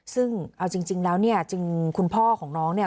ซึ่งเอาจริงแล้วเนี่ยจริงคุณพ่อของน้องเนี่ย